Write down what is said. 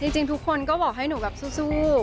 จริงทุกคนก็บอกให้หนูแบบสู้